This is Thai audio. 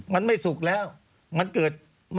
มันไม่สุกแล้วมันเกิด